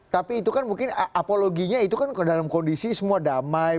tapi itu kan mungkin apologinya itu kan dalam kondisi semua damai